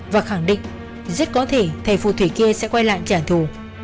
và khẳng định rất có thể thầy phù thủy kia sẽ quay lại trả thù